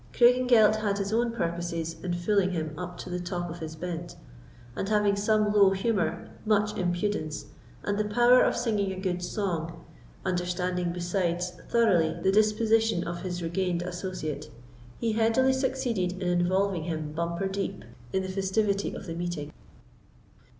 Craigengelt had his own purposes in fooling him up to the top of his bent; and having some low humour, much impudence, and the power of singing a good song, understanding besides thoroughly the disposition of his regained associate, he headily succeeded in involving him bumper deep in the festivity of the meeting.